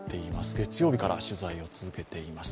月曜日から取材を続けています。